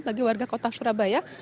bagi warga kota surabaya